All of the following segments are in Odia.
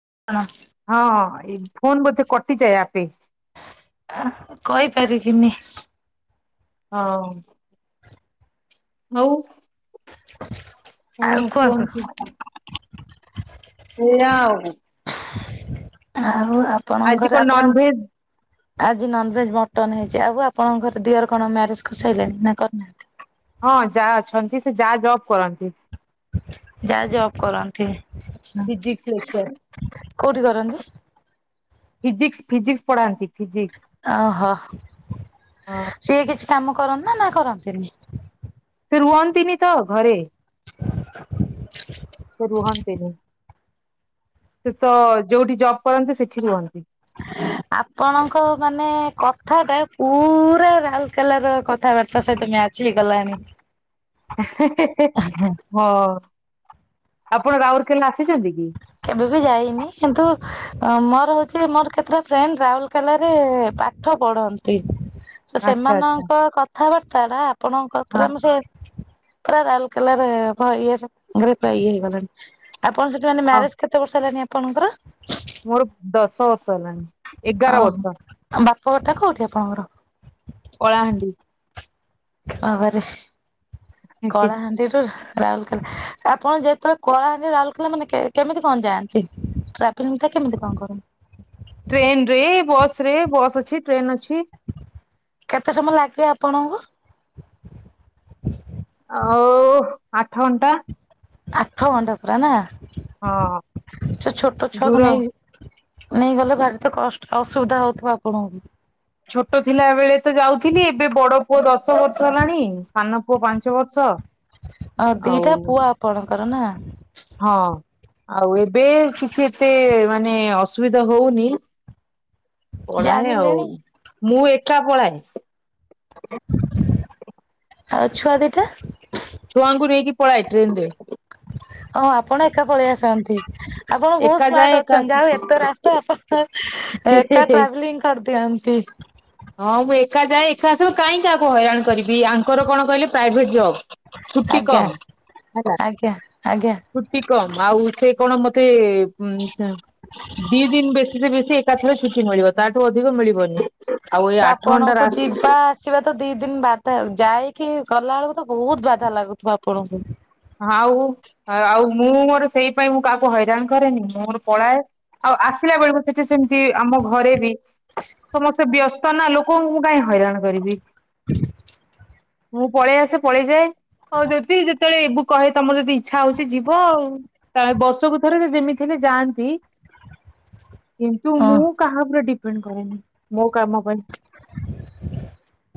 [inaudible] ହଁଁ ଏଇ ଫୋନ୍ ବୋଧେ କଟିଯାଏ ଆପେ। ଆ କହିପାରିବିନି? ହଁ ହଉ। ହଁ ଆଉ କୁହନ୍ତୁ। ସେଇଆ ଆଉ। ଆଉ ଆଜି ଆପଣଙ୍କର କଣ ଆପଣ ନନଭେଜ ଆଜି ନନ ଭେଜ ମଟନ ହେଇଛି ଆଉ ଆପଣଙ୍କ ଘରେ ଦିଅର କଣ ମ୍ୟାରେଜ କରିସାଇଲେଣି ନା କରିନାହାନ୍ତି? ହଁ ଯାଆ ଅଛନ୍ତି ସେ ଯାଆ ଜବ କରନ୍ତି। ଯାଆ ଜବ କରନ୍ତି। ଆଚ୍ଛା। ଫିଜିକ୍ସ ଲେକ୍ଚର କୋଉଠି କରନ୍ତି? ଫିଜିକ୍ସ ଫିଜିକ୍ସ ପଢାନ୍ତି। ଫିଜିକ୍ସ ଓହୋ ହଁ ସିଏ କିଛି କାମ କରନ୍ତି ନା ନା କରନ୍ତିନି? ସେ ରୁହନ୍ତିନି ତ ଘରେ। [inaudible] ସିଏ ରୁହନ୍ତିନି। ସେ ତ ଯୋଉଠି ଜବ୍ କରନ୍ତି ସେଠି ରୁହନ୍ତି। ଆପଣଙ୍କ ମାନେ କଥା ଟା ପୁରା ଲାଲ କଲାର କଥାବାର୍ତ୍ତା ସହିତ ମ୍ୟାଚ ହେଇଗଲାଣି। ନ୍ତି? ହଁ ଆପଣ ରାଉରଲକେଲା ଆସିଛନ୍ତି କି? କେବେ ବି ଯାଇନି କିନ୍ତୁ ମୋର ହଉଛି ମୋର କେତେଟା ଫ୍ରେଣ୍ଡ ରାଉରଲକେଲାରେ ପାଠ ପଢନ୍ତି। ତ ଆଚ୍ଛା ଆଚ୍ଛା ସେମାନଙ୍କ କଥାବାର୍ତ୍ତା ଟା ଆପଣଙ୍କ ହଁ ପରେ ଆମ ସେ ପୁରା ରାଉଲକେଲାରେ ପୁରା ଇଏ ହେଇଗଲଖଣି ଆପଣ ସେଠି ହଁ ମ୍ୟାରେଜ କେତେ ବର୍ଷ ହେଲାଣି ଆପଣଙ୍କର? ମୋର ଦଶ ବର୍ଷ ହେଲାଣି ଏଗାର ବର୍ଷ। ଘରଟା କୋଉଠି ଆପଣଙ୍କର? କଳାହାଣ୍ଡି। ବାବା ରେ। କଳାହାଣ୍ଡି ରେ। ରାଉଲକେଲା ଆପଣ ଯେତେବେଳେ କଳାହାଣ୍ଡି ରାଉରକେଲା ମାନେ କେମିତି କଣ ଯାଆନ୍ତି? ଟ୍ରାଭେଲିଙ୍ଗ ଟା କେମିତି କଣ କରନ୍ତି? ଟ୍ରେନ ରେ ବସ ରେ ବସ୍ ଅଛି ଟ୍ରେନ ଅଛି। କେତେ ସମୟ ଲାଗିବେ ଆପଣଙ୍କୁ? ଆଉ ଆଠ ଘଣ୍ଟା। ଆଠ ଘଣ୍ଟା ପୁରା ନା ହଁ ସେ ଛୋଟ ଛୁଆକୁ ଦୂର ନେଇ ନେଇଗଲେ ଭାରି ତ କଷ୍ଟ ଅସୁବିଧା ହଉଥିବ ଆପଣଙ୍କୁ। ଛୋଟ ଥିଲା ବେଳେ ତ ଯାଉଥିଲି ଏବେ ବଡ ପୁଅ ଦଶ ଦଶ ବର୍ଷ ହେଲାଣି ସାନ ପୁଅ ପାଞ୍ଚ ବର୍ଷ ଆଉ କର ନା। ହଁ ଆଉ ଏବେ କିଛି ଏତେ ମାନେ ଅସୁବିଧା ହଉନି। ପଳାଏ ଆଉ ଜାଣିଲେଣି ମୁଁ କାପଳାଏ। ଆଉ ଛୁଆ ଦିଟା? ଛୁଆଙ୍କୁ ନେଇକି ପଳାଏ ଟ୍ରେନ ରେ। ହଁ ଆପଣ ଏକା ପଳେଇ ଆସନ୍ତି ଆପଣ ବହୁତ ଏକା ଯାଏ ସ୍ମାର୍ଟ ଏକା ଅଛନ୍ତି ଆସେ ଯାହାହଉ ଏତେ ରାସ୍ତା ଏକା ଟ୍ରାଭେଲିଂ କରିଦିଅନ୍ତି। ହଁ ମୁଁ ଏକା ଯାଏ ଏକା ଆସ କାହିଁକି ଆହାକୁ ହଇରାଣ କରିବି ଆଙ୍କର କଣ କହିଲେ ପ୍ରାଇଭେଟ୍ ଜବ୍। ଛୁଟି ଆଜ୍ଞା କମ ହେଲା ଆଜ୍ଞା ଆଜ୍ଞା ଛୁଟି କମ ଆଉ ସେ କଣ ମତେ ଉଁ, ସେ ଦି ଦିନ ବେଶୀ ସେ ବେଶୀ ଏକାଥରେ ଛୁଟି ମିଳିବ। ତାଠୁ ଅଧିକ ମିଳିବନି। ଆଉ ଏଇ ତ ଆଠ ଘଣ୍ଟା ଆପଣଙ୍କୁ ରାସ୍ ଯିବା ଆସିବା ତ ଦି ଦିନ ବାଦ ଆଉ। ଯାଇ କି ଗଲା ବେଳକୁ ତ ବହୁତ ବାଧା ଲାଗୁଥିବ ଆପଣଙ୍କୁ? ଆଉ ଆଉ ମୁଁ ମୋର ସେଇ ପାଇଁ ମୁଁ କାହାକୁ ହଇରାଣ କରେନି ମୁଁ ମୋର ପଳାଏ। ଆଉ ଆସିଲା ବେଳକୁ ସେଠି ସେମିତି ଆମ ଘରେ ବି ସମସ୍ତେ ବ୍ୟସ୍ତ ନା ଲୋକଙ୍କୁ ମୁଁ କାହିଁ ହଇରାଣ କରିବି। ମୁଁ ପଳେଇ ଆସେ। ପଳେଇ ଯାଏ। ଓ ଯଦି ଯେତେବେଳେ ଏ ବୁ କହେ ତୋମର ଯଦି ଇଚ୍ଛା ହଉଛି ଯିବ ଆଉ। ତୋମେ ବର୍ଷକୁ ଥରେ ସେ ଯେମିତି ହେଲେ ଯାଆନ୍ତି। ହଁ କିନ୍ତୁ ମୁଁ କାହା ଉପରେ ଡିପେଣ୍ଡ କରେନି ମୋ କାମ ପାଇଁ।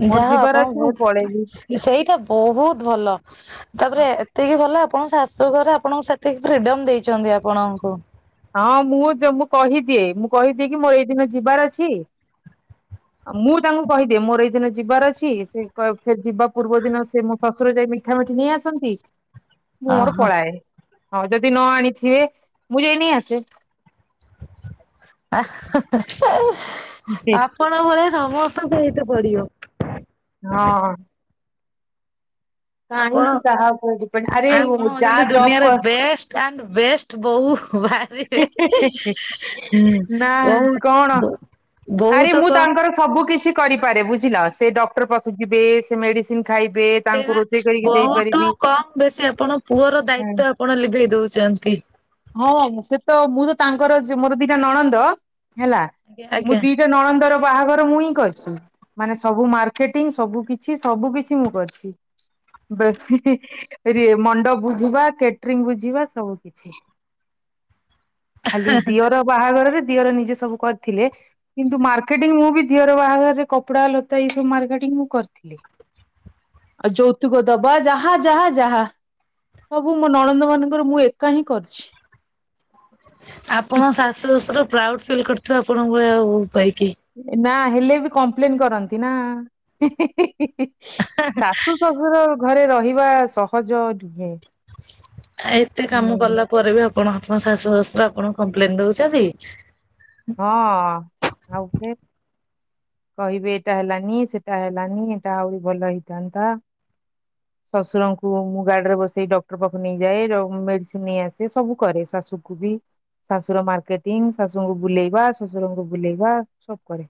ହ ମୋର ଯାହା ଯିବାର ଆପଣଙ୍କୁ ଅଛି ମୁଁ ବହୁତ, ପଳେଇବି। ସେଇଟା ବହୁତ ଭଲ। ତାପରେ ଏତିକି ଭଲ ଆପଣ ଶାଶୁଘରେ ଆପଣଙ୍କୁ ସେତିକି ଫ୍ରିଡମ୍ ଦେଇଛନ୍ତି ଆପଣଙ୍କୁ। ହଁ ମୁଁ ଯ-ମୁଁ କହିଦିଏ ମୁଁ କହିଦିଏ କି ମୋର ଏଇଦିନ ଯିବାର ଅଛି। ହୁଁ ଅ, ମୁଁ ତାଙ୍କୁ କହିଦିଏ ମୋର ଏଇ ଦିନ ଯିବାର ଅଛି। ସେ କ- ସେ ଯିବା ପୂର୍ବ ଦିନ ସେ ମୋ ଶଶୁର ଯାଇ ମିଠା ସେଠି ନେଇ ଆସନ୍ତି। ମୁଁ ମୋର ଓହୋ ପଳାଏ। ହଁ ଯଦି ନ ଆଣିଥିବେ ମୁଁ ଯାଇ ନେଇ ଆସେ। ଆହା ହା ଆପଣ ଭଳିଆ ସମସ୍ତଙ୍କୁ ହେଇତେ ପଡିବ। ହଁ। ଆପଣ କାହିଁକି କାହା ଉପରେ ଡିପେଣ୍ଡ। ଆରେ ଆପଣ ଯା ହଉଛନ୍ତି ଜବ୍ ଦୁନିଆର କର ବେଷ୍ଟ ଆଣ୍ଡ ବେଷ୍ଟ ବୋହୂ ବାହାରିବେ। ନା କଣ? ବହୁତ ଆରେ ବହୁତ ମୁଁ କମ ତାଙ୍କର ସବୁ କିିଛି କରିପାରେ। ବୁଝିଲ, ସେ ଡକ୍ଟର୍ ପାଖକୁ ଯିବେ। ସେ ମେଡିସିନ୍ ସେଇପା ବୋହୁ ଠୁ କମ ବେଶୀ ଆପଣ ପୁଅର ଦାୟିତ୍ବ ଆପଣ ଲିଭେଇ ଦଉଚ ଚନ୍ତି। ହଁ [unintelligible] ସେ ତ ମୁଁ ତ ତାଙ୍କର ଯ-ମୋର ଦିଟା ନଣନ୍ଦ ହେଲା ଆଜ୍ଞା ମୁଁ ଆଜ୍ଞା ଦିଟା ନଣନ୍ଦର ବାହାଘର ମୁଇଁ କରିଛି। ମାନେ ସବୁ ମାର୍କେଟିଂ ସବୁ କିଛି ସବୁ କିଛି ମୁଁ କରିଛି। ବେଶୀ ହି ଏ ରି-ମଣ୍ଡପ ବୁଝିବା, କ୍ୟାଟରିଙ୍ଗ ବୁଝିବା ସବୁ କିଛି। ହଁ ଖାଲି ଦିଅର ବାହାଘରରେ ଦିଅର ନିଜେ ସବୁ କରିଥିଲେ। କିନ୍ତୁ ମାର୍କେଟିଂ ମୁଁ ବି ଦିଅର ବାହାଘରରେ କପଡା ଲତା ଏଇ ସବୁ ମାର୍କେଟିଂ ମୁଁ କରିଥିଲି। ହୁଁ ଆଉ ଯୌତୁକ ଦବା ଯାହା ଯାହା ଯାହା। ସବୁ ମୋ ନଣନ୍ଦ ମାନଙ୍କର ମୁଁ ଏକା ହିଁ କରିଛି। ଆପଣ ଶାଶୁ ଶଶୁର ପ୍ରାଉଡ ଫିଲ୍ କରିଥିବେ ଆପଣଙ୍କ ଭଳିଆ ବୋହୁ ପାଇ। ଏ ନା ହେଲେ ବି କମ୍ପ୍ଲେନ୍ କରନ୍ତି ନା। ଶାଶୁ ଶଶୁର ଘରେ ରହିବା ସହଜ ନୁହେଁ। ଆ, ଏତେ କାମ ହୁଁ। କଲା ପରେ ବି ଆପଣ ଆପଣଙ୍କ ଶାଶୁ ଶଶୁର ଆପଣ କମ୍ପ୍ଲେନ୍ ଦଉଚନ୍ତି? ହଁ ଆଉ ଫେର୍। କହିବେ ଏଟା ହେଲାନି। ସେଟା ହେଲାନି। ଏଟା ଆହୁରି ଭଲ ହେଇଥାନ୍ତା। ଶଶୁରଙ୍କୁ ମୁଁ ଗାଡି ରେ ବସେଇ ଡକ୍ଟର୍ ପାଖକୁ ନେଇଯାଏ। ମେଡିସିନ୍ ନେଇ ଆସେ ସବୁ କରେ। ସ ଶାଶୁକୁ ବି ଶାଶୁର ମାର୍କେଟିଂ। ଶାଶୁଙ୍କୁ ବୁଲେଇବା। ଶଶୁରଙ୍କୁ ବୁଲେଇବା ସବୁ କରେ।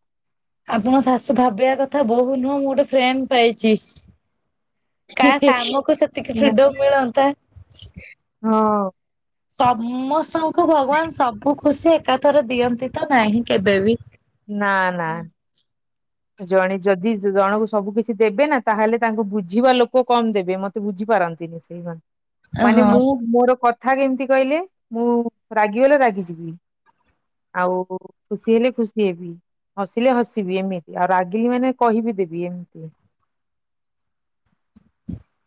ଆପଣଙ୍କ ଶାଶୁ ଭାବିବା କଥା ବୋହୁ ନୁହଁ ମୁଁ ଗୋଟେ ଫ୍ରେଣ୍ଡ୍ ପାଇଚି। କାସ୍ ଆମକୁ ସେତିକି ଫ୍ରିଡମ୍ ମିଳନ୍ତା। ହଁ ସମସ୍ତଙ୍କୁ ଭଗବାନ ସବୁ ଖୁସି ଏକାଥରେ ଦିଅନ୍ତି ତ ନାହିଁ କେବେବି। ନା ନା। ଜଣେ ଯଦି ଜଣଙ୍କୁ ସବୁ କିିଛି ଦେବେ ନା ତାହେଲେ ତାଙ୍କୁ ବୁଝିବା ଲୋକ କମ୍ ଦେବେ ମତେ ବୁଝିପାରନ୍ତି ସେଇ ମାନେ ମାନେ ହଁ ମୁଁ ମୋର କ କଥା କେମିତି କହିଲେ ମୁଁ ରାଗିଗଲେ ରାଗିଯିବି। ଆଉ ଖୁସି ହେଲେ ଖୁସି ହେବି ହସିଲେ ହସିବି ଏମିତି ଆଉ ରାଗିଲି ମାନେ କହିବି ଦେବି ଏମିତି।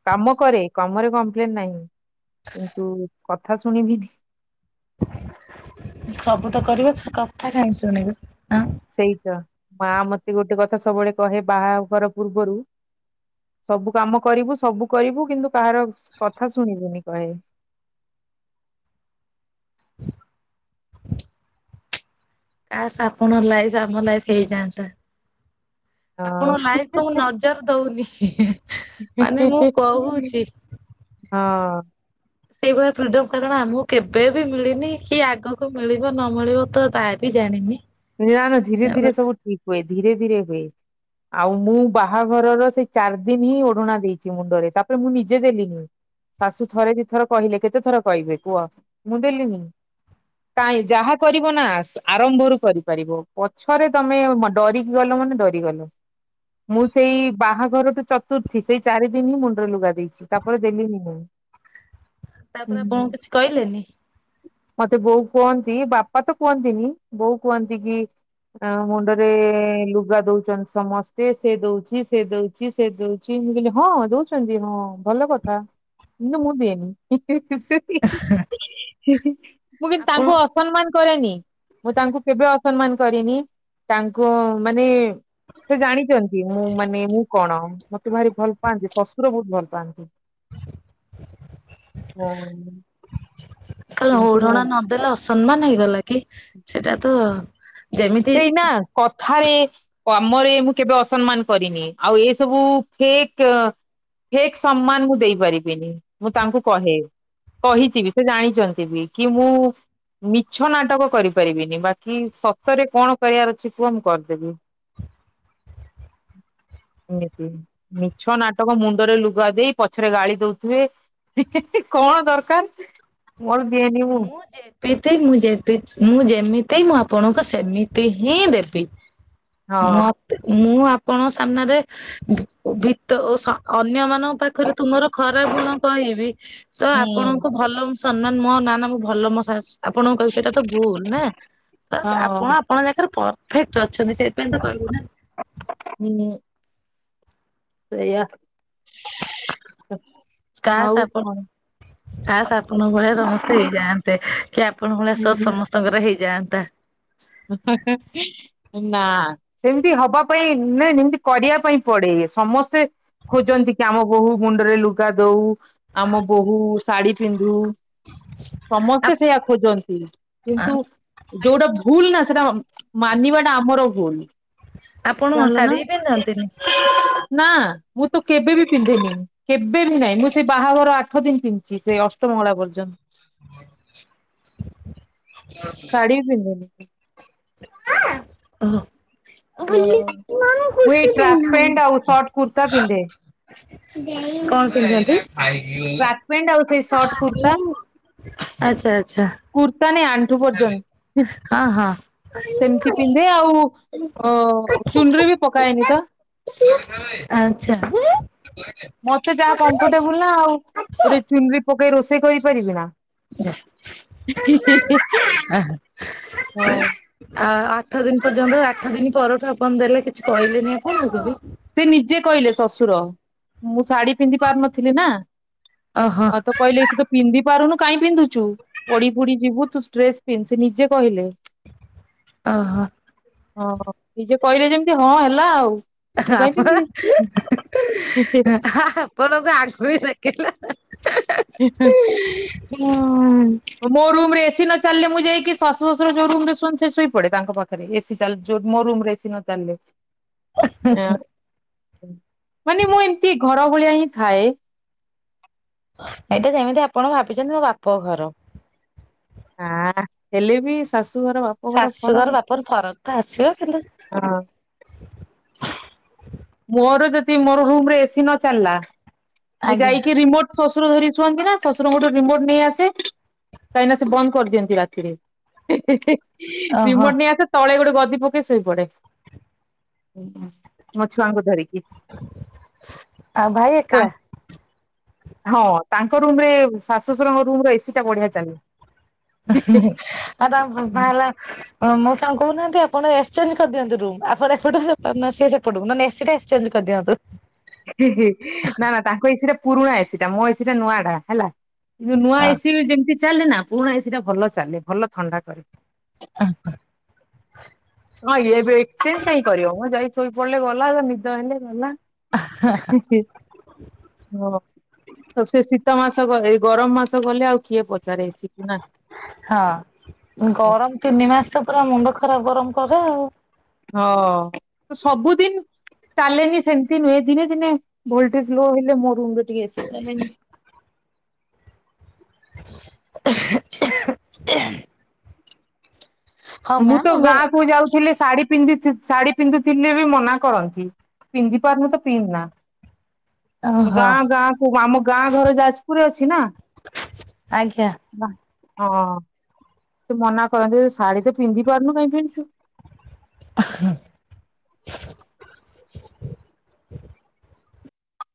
କାମ କରେ କାମରେ କମ୍ପ୍ଲେନ୍ ନାହିଁ। କିନ୍ତନ୍ତୁ କଥା ଶୁଣ ଭି ସବୁ ତ କର ସେ କଥା କାହିଁ ଶୁଣିବ। ସେଇତ ମା ମତେ ଗୋଟେ କଥା ସବୁବେଳେ କହେ ବାହାଘର ପୂର୍ବରୁ। ସବୁ କାମ କରିବୁ ସବୁ କରିବୁ କିନ୍ତୁ କାହାର କଥା ଶୁଣିବୁନି କେବେ। ଆସ୍ ଆପଣ ଲାଇଫ ଆମ ଲାଇଫ ହେଇଯାଆନ୍ତା। ଆପଣ ଲାଇଫ କ ମୁ ନଜର ଦଉନି ହି ହି। ହଁ ମାନେ ମୁଁ କହୁଛି। ହଁ ସେଇଭଳିଆ ଫ୍ରିଡମ କାରଣ ଆମକୁ କେବେ ବି ମିଳିନି କିଏ ଆଗକୁ ମିଳିବ ନ ମିଳିବ ତ ତା ବି ଜାଣିିନି। ନା ନା ଧୀରେ ଧୀରେ ସବୁ ଠିକ୍ ହୁଏ ଧୀରେ ଧୀରେ ହୁଏ। ଆଉ ମୁଁ ବାହାଘରର ସେଇ ଚାରି ଦିନ ହିଁ ଓଢଣା ଦେଇଛି ମୁଣ୍ଡରେ ତାପରେ ମୁଁ ନିଜେ ଦେଲି ନି। ଶାଶୁ ଥରେ ଦି ଥର କହିଲେ କେତେ ଥର କହିବେ କୁହ ମୁଁ ଦେଲିନି। କାଇଁ ଯାହା କରିବ ନା ଆରମ୍ଭରୁ କରିବୁ। ପଛରେ ତମେ ଡରିକି ଗଲ ମାନେ ଡରି ଗଲ। ମୁଁ ସେଇ ବାହାଘର ଟୁ ଚତୁର୍ଥୀ ସେଇ ଚାରି ଦିନ ହିଁ ମୁଣ୍ଡରେ ଲୁଗା ଦେଇଛି ତାପରେ ଦେଲି ହିଁ ମୁଁ। ହ ହୁଁ। ତାପରେ ଆପଣଙ୍କୁ କିଛି କହିଲେନି। ମତେ ବୋଉ କୁହନ୍ତି ବାପା ତ କୁହନ୍ତିନି ବୋଉ କୁହନ୍ତି କି ଆ ମୁଣ୍ଡରେ ଲୁଗା ଦଉଛନ୍ତି ସମସ୍ତେ ସେ ଦଉଛି ସେ ଦଉଛି ସେ ଦଉଛି। ହଁ ଦଉଛନ୍ତିଁ ଭଲ କଥା କିନ୍ତୁ ମୁଁ ଦିଏନି ଟିକେ ମୁଁ କି ଆପଣ ତାଙ୍କୁ ଅସମ୍ମାନ କରେନି ମୁଁ ତାଙ୍କୁ କେବେ ଅସମ୍ମାନ କରିନି ତାଙ୍କୁ ମାନେ ସେ ଜାଣିଛନ୍ତି ମୁଁ ମାନେ ମୁଁ କଣ ମତେ ଭାରି ଭଲ ପାଆନ୍ତି ଶ ପ ବହୁତ ଭଲ ପାଆନ୍ତି ହଁ। କାଲି କିନ୍ତୁ ହଉଡଣା ନଦେଲେ ଅସମ୍ମାନ ହେଇଗଲା କି ସେଟା ତ ଯେମିତି ସେଇ ନା କ କଥାରେ କମରେ ମୁଁ କେବେ ଅସମ୍ମାନ କରିନି ଆଉ ଏସବୁ ଫେକ୍ ଫକ୍ ସମ୍ମାନ ମୁଁ ଦେଇପାରିବିନି ମୁଁ ତାଙ୍କୁ କହେ। କହିଛି ବି ସେ ଜାଣିଛନ୍ତି ବି କିନ୍ତୁ ମୁଁ ମିଛ ନାଟକ କରିପାରିବିନି ବାକି ସ ସରେ କଣ କରିବାର ଅଛି କୁହ ମୁଁ କରିଦେବି। ହ ତି ମିଛ ନାଟକ ମୁଣ୍ଡରେ ଲୁଗା ଦେଇ ପଛରେ ଗାଳି ଦଉଥିବେ। ହେ ହେ ହେ କଣ ଦରକାର। ମୋର ଦିଏନି ମୁଁ ଯେମିତି ମୁଁ ଯେ ମୁଁ ଯେମିତି ତ ମୁଁ ଆପଣଙ୍କୁ ସେମିତି ହିଁ ଦେବି ହଁ। ମତେ ମୁଁ ଆପଣଙ୍କ ସାମ୍ନାରେ ଭିତ ଅନ୍ୟମାନେ। ପାଖରେ ତୁମର ଖରାପ ଗୁଣ କହିବି ତ ହୁଁ ଆପଣଙ୍କୁ ଭଲ ସମ୍ମାନ ମୋ ନା ମୁଁ ଭଲ ମଶା ଆପଣଙ୍କୁ କହୁଛଛି ଏଇଟା ତ ଭୁଲ ନା ତ ହଁ ଆପଣ ଆପଣଙ୍କ ଜାକରେ ଭ ଫଟ ଅଛନ୍ତି ସେଇଥିପାଇଁ ତ କହିଲି ନା ସେଇୟା କାସ୍ ହଉ ଆପଣ କଣ? କାସ୍ ଆପଣଙ୍କ ଭଳିଆ ସମସ୍ତେ ହେଇଯାଆନ୍ତେ କି ଆପଣଙ୍କ ଭଳିଆ ସୋଚ ହୁଁ। ସମସ୍ତଙ୍କର ହେଇଯାଆନ୍ତା। [unintelligible] ନା ସେମିତି ହବା ପାଇଁ ନାଇ ସେମିତି କରିବା ପାଇଁ ପଡେ ସମସ୍ତେ। ଖୋଜନ୍ତି କି ଆମ ବୋହୂ ମୁଣ୍ଡରେ ଲୁଗା ଦଉ ଆମ ବୋହୂ ଶାଢୀ ପିନ୍ଧୁ। ସମସ୍ତେ ସେଇଆ ଖୋଜନ୍ତି ଆ କିନ୍ତୁ ଯୋଉଟା। ଭୁଲ ନା ସେଟା ମାନିବାଟା ଆମର ଭୁଲ। ଆପଣ ଜାଣିଲନା ଶାଢୀ ବି ପିନ୍ଧନ୍ତିନି? ନା ମୁଁ ତ କେବେବି। ପିନ୍ଧୁନି କେବେବି ନାଇଁ ମୁଁ ସେଇ ବାହାଘର ଆଠ ଦିନ ପିନ୍ଧିଛି ସେ ଅଷ୍ଟମଙ୍ଗଳା ପର୍ଯ୍ୟନ୍ତ। ଶାଢୀବି ପିନ୍ଧୁନି। ହଁ। ମୁଁ ଏଇ ଟ୍ରାକ୍ ଦେଇନାହାନ୍ତି। ପ୍ୟାଣ୍ଟ ଆଉ ସର୍ଟ କୁର୍ତ୍ତା ପିନ୍ଧେ। କଣ ପି ଟ୍ରାକ୍ ପେଣ୍ଟ ଆଉ ସେ ସର୍ଟ କୁର୍ତ୍ତା ଆଚ୍ଛା ଆଚ୍ଛା କୁର୍ତ୍ତା ନେ ଆଣ୍ଠୁ ପର୍ଯ୍ୟନ୍ତ। ହଁ ହଁ। ସେମିତି ପିନ୍ଧେ ଆଉ ଅ ଚୁନୁରି ବି ପକାଏନି ତ। ଆଛା। ମତେ ଯାହା କମ୍ଫର୍ଟେବୁଲ ନା ଆଉ ଗୋଟେ ଚୁନୁରୀ ପକେଇ ରୋଷେଇ କରିପାରିବିନା। [unintelligible] ଆ ଆଠ ଦିନ ପର୍ଯ୍ୟନ୍ତ ଆଠ ଦିନ ପରଠୁ ଆପଣ ଦେଲେ କିଛି କହିଲେନି ଆପଣଙ୍କୁ। ନିଜେ କହିଲେ ଶ୍ୱଶୁର ମୁଁ। ଶାଢୀ ପିନ୍ଧି ପାରୁ ନଥିଲି ନା ଓହୋ ତ କହିଲେ ତୁ ତ ପିନ୍ଧି ପାରୁନୁ। କାହିଁ ପିନ୍ଧୁଛୁ ପଡି ପୁଡି ଯିବୁ ତୁ ଡ୍ରେସ ପିନ୍ଧ ସେ ନିଜେ କହିଲେ। ଓ ହୋ। ହଁ ନିଜେ କହିଲେ ଯେମିତି ହଁ ହେଲା ଆଉ। ମୁଁ କାଇଁ ପିନ୍ଧିବି। ଆପ ଆପଣ। [unintelligible] [unintelligible] ମୁଁ। ମୋ ରୁମ ରେ ଏସି ନଥି ନ ଚାଲିଲେ ମୁଁ ଯାଇକି ଶାଶୁ ଶ୍ୱଶୁର ଯୋଉ ରୁମ ରେ ଶୁଅନ୍ତି ସେଇଟି ଶୋଇପଡ଼େ ତାଙ୍କ ପାଖରେ ଏସି ଚାଲିଲେ ଯୋଉ ମୋ ରୁମ ରେ ଏସି ନ ଚାଲିଲେ। [unintelligible] ମାନେ ମୁଁ ଏମିତି ଘର ଭଳିଆ ହିଁ ଥାଏ। ଏଇଟା ସେମିତି ଆପଣ ଭାବିଛନ୍ତି ମୋ ବାପ ଘର। ଆଁ ହେଲେ ବି ଶାଶୁ। ଶାଶୁଘର ବାପଘର ଫରକ ତ ଆସିବ କିନ୍ତୁ। ହଁ। ମୋର ଯଦି ମୋର ରୁମ ରେ ଏସି ନ ଚାଲିଲା ମୁଁ ଆଜ୍ଞା। ଯାଇକି ରିମୋଟ ଶଶୁ ଶ୍ୱଶୁର ଧରି ଶୁଅନ୍ତି ନା ଶ୍ୱଶୁରଙ୍କଠୁ ରିମୋଟ ନେଇ ଆସେ। କାଇଁନା ସେ ବନ୍ଦ କରିଦିଅନ୍ତି ରାତିରେ। ଓହୋ ରିମୋଟ ନେଇ ଆସେ ତଳେ ଗୋଟେ ଗଦି ପକେଇ ଶୋଇପଡେ। ମୋ ଛୁଆଙ୍କୁ ଧରିକି। ଆଉ ଭାଇ ତା ଏକଲା। ହଁ ତାଙ୍କ ରୁମ ରେ ଶାଶୁ ଶଶୁରଙ୍କ ରୁମ ର ଏସି ଟା ବଢିଆ ଚାଲେ। ଆଉ ତମେ [unintelligible] ତାଙ୍କୁ କହୁନାହାନ୍ତି ଆପଣ ଏକ୍ସଚେଞ୍ଜ କରିଦିଅନ୍ତୁ ରୁମ ଆପଣ ଏପଟୁକୁ ସିଏ ତ ସିଏ ସେପଟୁ ନ ଲେ ଏସି ଏକ୍ସଚେଞ୍ଜ କରିଦିଅନ୍ତୁ। ନା ନା ତାଙ୍କ ଏସି ଟା ପୁରୁଣା ଏସି ଟା ମୋ ଏସି ଟା ନୂଆ ଟା ହେଲା କିନ୍ତୁ ନୂଆ ହଁ। ଏସି ଯେମିତି। ଚାଲେ ନା ପୁରୁଣା ଏସିଟା ଭଲ ଚାଲେ ଭଲ ଥଣ୍ଡା କରେ। [unintelligible] ଆଉ ଇଏ ଏବେ ଏକ୍ସଚେଞ୍ଜ କାଇଁ କରିବ ଯାଇ ଶୋଇ ପଡିଲେ ଗଲା ନିଦ ହେଲେ ଗଲା। ହେ ହେ ହଁ ଆଉ ସେ ଶୀତ ମାସ। ଏତକ ଏଇ ଗରମ ମାସ ଗଲେ ଆଉ କିଏ ପ ହଁ, ଗରମ ତିନି ମାସ ତ, ପୁରା ମୁଣ୍ଡ ଖରାପ ଗରମ। କଯାଉ ହଁ, ସବୁଦିନ ଚାଲେନି ସେମିତି ନୁହେଁ, ଦିନେ ଦିନେ ଭୋଲଟେଜ୍ ଲୋ ହେଲେ, ମୋ ରୁମ୍ ରେ ଟିକେ ଏ ସି ଚାଲେନି। [inaudible] ହଁ ମୁଁ, ମ୍ୟାମ୍ ତ ଏବେ ଗାଁ କୁ ଯାଉଥିଲି ଶାଢୀ ପିନ୍ଧ ଥି ଶାଢୀ ପିନ୍ଧୁଥିଲେ ବି ମନା କରନ୍ତି। ପିନ୍ଧି ପାରୁନୁ ତ, ପିନ୍ଧ ନା। ଓହୋ ଗାଁ ଗାଁ କୁ, ମାମୁଁ ଗାଁ ଘର ଯାଜପୁରରେ ଅଛି ନା! ଆଜ୍ଞା। ହଁ, ସେ ମନା କରନ୍ତି, ଶାଢୀ ତ ପିନ୍ଧି ପାରୁନୁ କାହିଁ ପିନ୍ଧଛୁ।